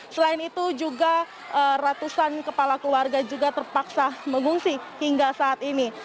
selain itu juga ratusan kepala keluarga juga terpaksa mengungsi hingga saat ini